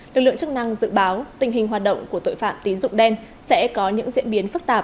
lực lượng chức năng dự báo tình hình hoạt động của tội phạm tín dụng đen sẽ có những diễn biến phức tạp